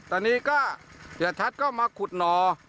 ตอนนี้ก็เสียชัดก็มาขุดหน่อ